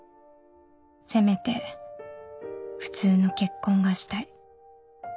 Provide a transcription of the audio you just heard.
「せめて普通の結婚がしたい」